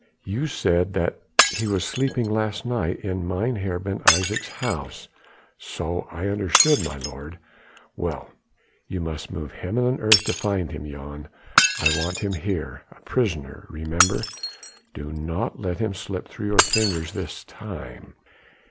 You said that he was sleeping last night in Mynheer Ben Isaje's house." "So I understood, my lord." "Well! you must move heaven and earth to find him, Jan. I want him here a prisoner remember! Do not let him slip through your fingers this time.